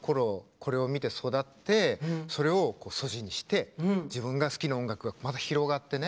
これを見て育ってそれを素地にして自分が好きな音楽が広がってね